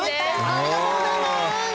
ありがとうございます。